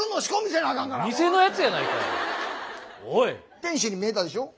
天使に見えたでしょ？